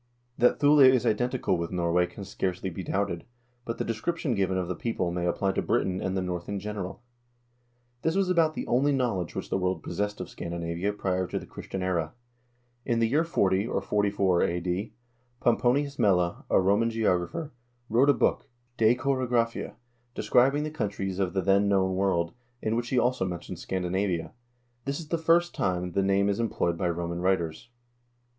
That Thule is identical with Norway can scarcely be doubted, but the description given of the people may apply to Britain and the North in general. This was about the only knowledge which the world possessed of Scandinavia prior to the Christian era. In the year 40, or 44, a.d., Pomponius Mela, a Roman geographer, wrote a book, "De Choro graphia," describing the countries of the then known world, in which he also mentions Scandinavia. This is the first time the name is employed by Roman writers.